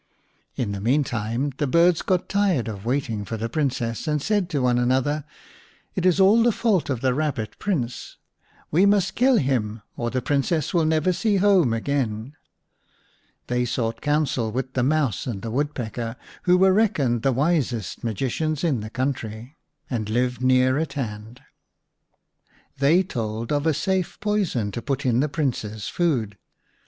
In the meantime the birds got tired of waiting for the Princess, and said to one another, "It is all the fault of the Rabbit Prince. We must kill him or the Princess will never see home again." They sought counsel with the Mouse and the Woodpecker, who were reckoned the wisest magicians in the country, and lived near at hand. They told of a safe poison to put in the Prince's food.